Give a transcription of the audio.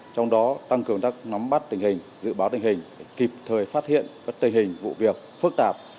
trong đó tăng cường các ngắm bắt tình hình dự báo tình hình kịp thời phát hiện các tình hình vụ việc phức tạp